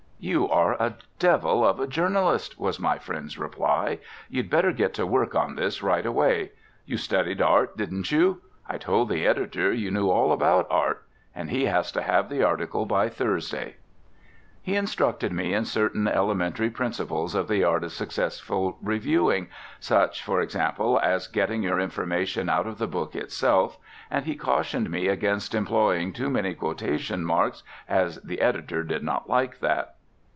"You are a devil of a journalist," was my friend's reply; "you'd better get to work on this right away. You studied art, didn't you? I told the editor you knew all about art. And he has to have the article by Thursday." He instructed me in certain elementary principles of the art of successful reviewing; such, for example, as getting your information out of the book itself; and he cautioned me against employing too many quotation marks, as the editor did not like that.